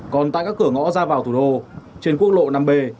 còn tại các cửa ngõ ra vào thủ đô trên quốc lộ năm b